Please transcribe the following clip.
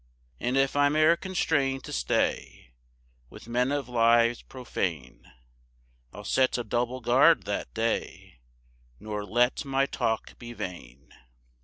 2 And if I'm e'er constrain'd to stay With men of lives profane I'll set a double guard that day, Nor let my talk be vain.